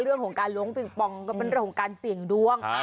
เรื่องของการล้วงปิงปองก็เป็นเรื่องของการเสี่ยงดวง